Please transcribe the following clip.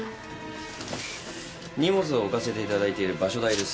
荷物を置かせていただいている場所代です。